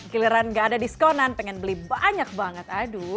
giliran enggak ada diskonan pengen beli banyak banget